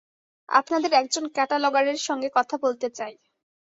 আপনাদের একজন ক্যাটালগারের সঙ্গে কথা বলতে চাই।